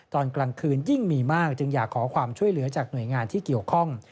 ตอนกลางคืนยิ่งมีมากจึงอยากขอความช่วยเหลือจากหน่วยงานที่เกี่ยวข้อง